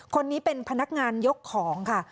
คนนี้เป็นพนักงานยกของค่ะ